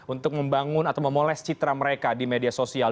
untuk membangun atau memoles citra mereka di media sosial